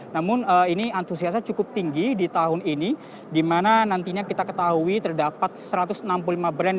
namun ini antusiasnya cukup tinggi di tahun ini di mana nantinya kita ketahui terdapat satu ratus enam puluh lima brand